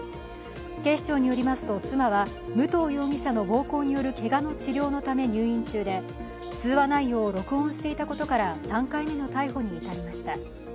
警視庁によりますと、妻は武藤容疑者の暴行によるけがの治療のため入院中で、通話内容を録音していたことから３回目の逮捕に至りました。